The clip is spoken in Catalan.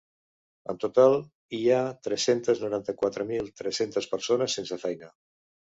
En total, hi ha tres-centes noranta-quatre mil tres-centes persones sense feina.